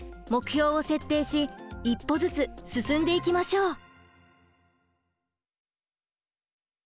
目標を設定し一歩ずつ進んでいきましょう！